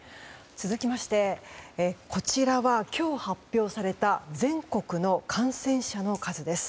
続きまして、こちらは今日発表された全国の感染者の数です。